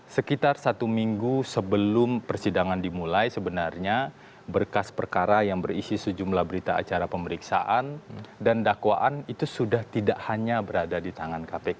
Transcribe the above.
sekitar satu minggu sebelum persidangan dimulai sebenarnya berkas perkara yang berisi sejumlah berita acara pemeriksaan dan dakwaan itu sudah tidak hanya berada di tangan kpk